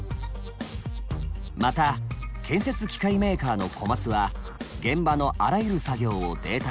また建設機械メーカーのコマツは現場のあらゆる作業をデータ化。